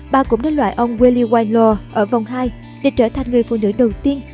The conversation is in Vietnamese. bà cũng đã loại ông willie whitelaw ở vòng hai để trở thành người phụ nữ đầu tiên